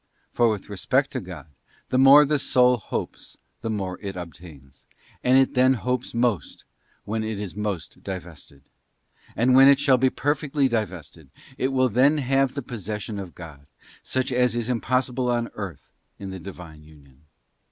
For with respect to God, the more the soul hopes, the more it obtains, and it then hopes most when it is most divested; and when it shall be perfectly divested, it will then have the posses sion of God, such as is possible on earth in the Divine union.